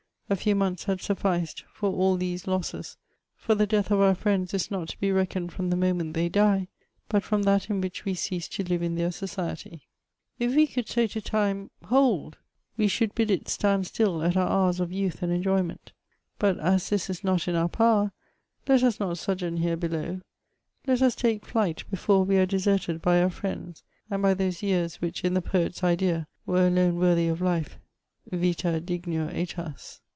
A few months had sufficed for all these losses, for the death of our friends is not to be reckoned from the moment they die, but from that in which we cease to live in their society. If we could say to Time, '^ Hold !" we should bid it stand still at our hours of youth and enjoyment ; but as this is not in our power, let us not sojourn here below ; let us take flight before we are deserted by our friends, and by those years which in the poef s idea were alone worthy of life : Vita dignior KBtas.